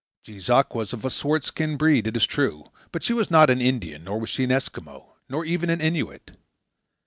Jees Uck was of a swart skinned breed, it is true, but she was not an Indian; nor was she an Eskimo; nor even an Innuit.